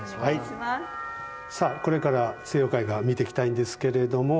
さあこれから西洋絵画を見ていきたいんですけれども。